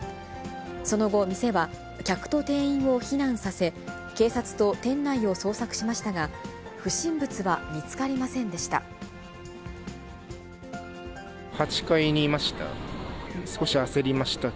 その後、店は客と店員を避難させ、警察と店内を捜索しましたが、不審物は８階にいました。